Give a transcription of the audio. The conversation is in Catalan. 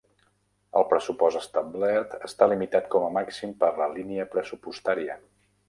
El pressupost establert està limitat com a màxim per la línia pressupostària.